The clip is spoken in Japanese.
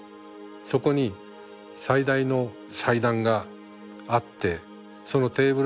そこに最大の祭壇があってそのテーブルでミサが行われる。